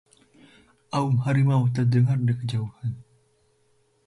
aum harimau terdengar dari kejauhan